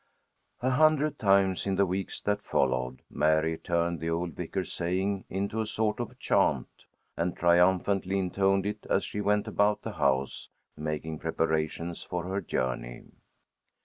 A hundred times, in the weeks that followed, Mary turned the old Vicar's saying into sort of a chant, and triumphantly intoned it as she went about the house, making preparations for her journey.